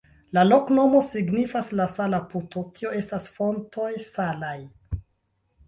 La loknomo signifas sala-puto, tio estas fontoj salaj.